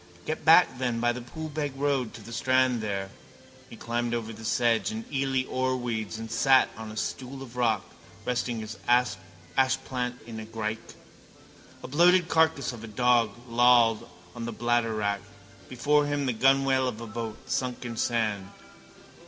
Get back then by the Poolbeg road to the strand there. He climbed over the sedge and eely oarweeds and sat on a stool of rock, resting his ashplant in a grike. A bloated carcass of a dog lay lolled on bladderwrack. Before him the gunwale of a boat, sunk in sand.